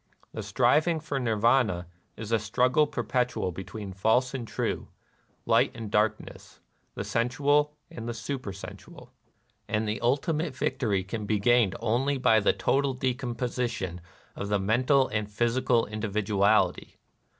The striving for Nirvana is a struggle perpet ual between false and true, light and darkness, the sensual and the supersensual ; and the ul timate victory can be gained only by the total decomposition of the mental and the physical individuality.